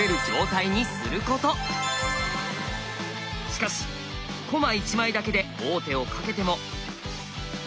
しかし駒１枚だけで王手をかけても。